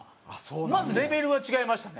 まずレベルが違いましたね。